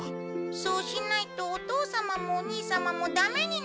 そうしないとお父様もお兄様もダメになります。